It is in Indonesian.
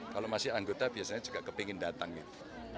kalau masih anggota biasanya juga kepingin datang gitu